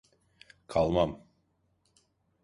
Kalmam.